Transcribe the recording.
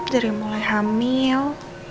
dari mulai hamil